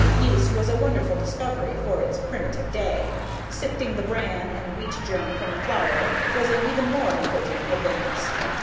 Yeast was a wonderful discovery for its primitive day. Sifting the bran and wheat germ from the flour was an even more important advance.